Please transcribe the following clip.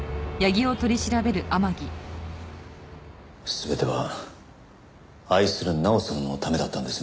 全ては愛する奈緒さんのためだったんですね。